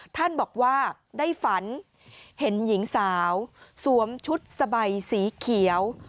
ท่านบอกว่าได้ฝันเห็นหญิงสาวสวมชุดสบายสีเขียว